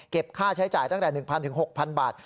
ค่าใช้จ่ายตั้งแต่๑๐๐๖๐๐บาท